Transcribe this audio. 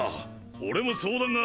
俺も相談が。